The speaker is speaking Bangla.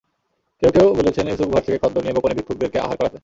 কেউ কেউ বলেছেনঃ ইউসুফ ঘর থেকে খাদ্য নিয়ে গোপনে ভিক্ষুকদেরকে আহার করাতেন।